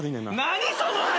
何その話！